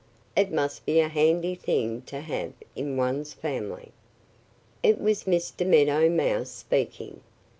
It must be a handy thing to have in one's family!" It was Mr. Meadow Mouse speaking.